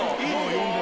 呼んで。